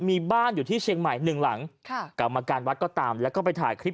มีบ้านอยู่ที่เชียงใหม่หนึ่งหลังค่ะกรรมการวัดก็ตามแล้วก็ไปถ่ายคลิป